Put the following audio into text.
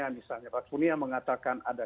misalnya pak kunia mengatakan ada